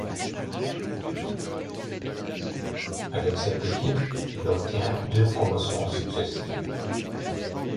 Avec cette équipe, il obtient deux promotions successives.